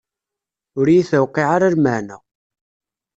Ur iyi-tuqiɛ ara lmeɛna.